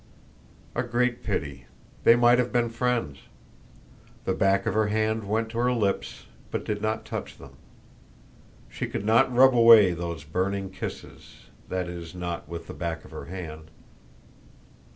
A great pity. They might have been friends. The back of her hand went to her lips but did not touch them. She could not rub away those burning kisses that is, not with the back of her hand.